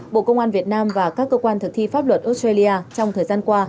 bộ công an việt nam và các cơ quan thực thi pháp luật australia trong thời gian qua